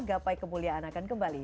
gapai kemuliaan akan kembali